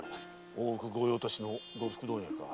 大奥御用達の呉服問屋か。